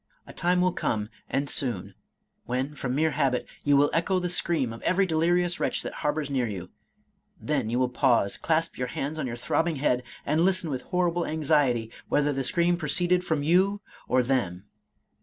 A time will come, and soon, when, from mere habit, you will echo the scream of every delirious 196 Charles Robert Maturin wretch that harbors near you ; then you will pause, clasp your hands on your throbbing head, and listen with hor rible anxiety whether the scream proceeded from you or them.